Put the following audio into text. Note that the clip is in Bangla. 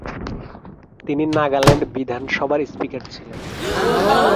তিনি নাগাল্যান্ড বিধানসভার স্পিকার ছিলেন।